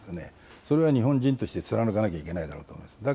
それは日本人として貫かなきゃいけないだろうと思います。